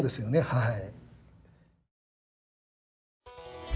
はい。